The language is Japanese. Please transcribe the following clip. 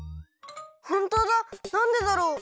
ほんとうだなんでだろう？